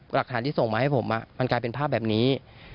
หลักฐานที่ส่งมาให้ผมมันกลายเป็นภาพแบบนี้